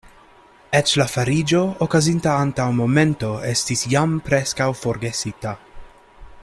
Eĉ la fariĝo, okazinta antaŭ momento, estis jam preskaŭ forgesita.